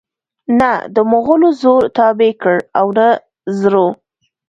نه دمغلو زور تابع کړ او نه زرو